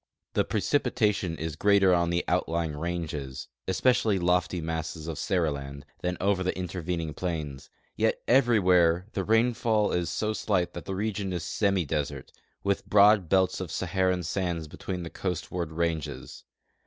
The precipitation is greater on the outlying ranges, es})ecially the lofty masses of Seriland, than over the intervening plains ; yet everywhere tlie rainfall is so slight that the region is semidesert, with broad belts of Saharan sands between the coast ward ranges.